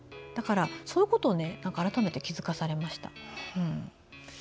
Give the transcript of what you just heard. だから、そういうことを改めて気付かされました。